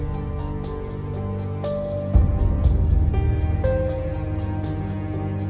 โปรดติดตามต่อไป